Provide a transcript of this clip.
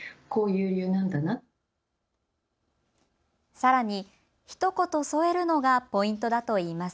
さらに、ひと言添えるのがポイントだといいます。